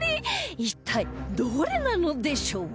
一体どれなのでしょう？